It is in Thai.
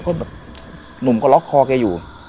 กระด่วงหลอกคอแกอยู่